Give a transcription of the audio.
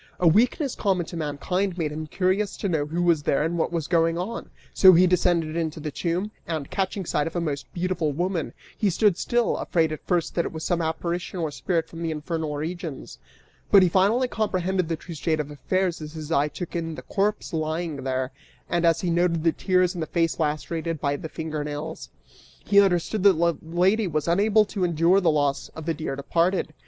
A weakness common to mankind made him curious to know who was there and what was going on, so he descended into the tomb and, catching sight of a most beautiful woman, he stood still, afraid at first that it was some apparition or spirit from the infernal regions; but he finally comprehended the true state of affairs as his eye took in the corpse lying there, and as he noted the tears and the face lacerated by the finger nails, he understood that the lady was unable to endure the loss of the dear departed.